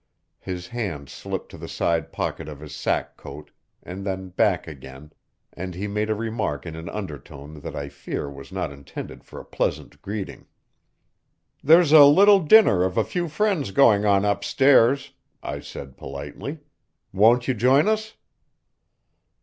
His hand slipped to the side pocket of his sack coat, and then back again, and he made a remark in an undertone that I fear was not intended for a pleasant greeting. "There's a little dinner of a few friends going on up stairs," I said politely. "Won't you join us?"